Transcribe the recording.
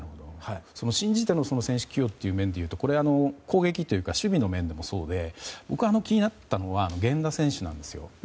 その信じての選手起用という面でいうと攻撃というか守備の面でもそうで僕が気になったのは源田選手なんですよ。